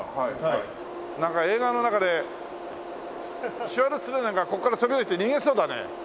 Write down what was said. なんか映画の中でシュワルツェネッガーがここから飛び降りて逃げそうだね。